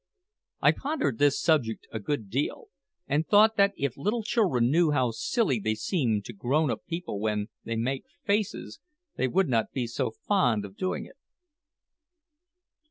I pondered this subject a good deal, and thought that if little children knew how silly they seemed to grown up people when, they make faces, they would not be so fond of doing it.